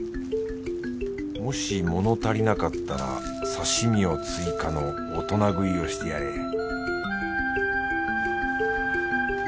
もし物足りなかったら刺身を追加の大人食いをしてやれ